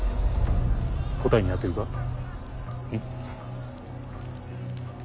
答えになってるか。